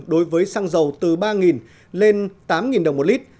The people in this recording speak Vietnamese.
đối với xăng dầu từ ba lên tám đồng một lít